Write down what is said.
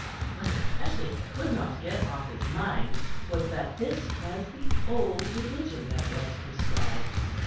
What especially he could not get off his mind was that this was the Old Religion that was prescribed.